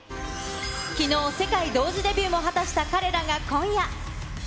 きのう、世界同時デビューも果たした彼らが今夜。